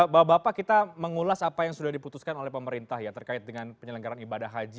bapak bapak kita mengulas apa yang sudah diputuskan oleh pemerintah ya terkait dengan penyelenggaran ibadah haji